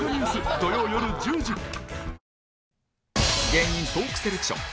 芸人トーークセレクション